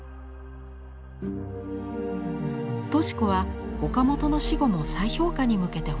敏子は岡本の死後も再評価に向けて奔走します。